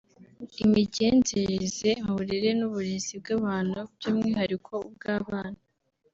imigenzereze mu burere n’uburezi bw’abantu by’umwihariko ubw’abana